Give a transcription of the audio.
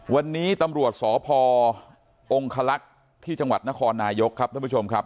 วันนี้ตำรวจสพองคลักษณ์ที่จังหวัดนครนายกครับท่านผู้ชมครับ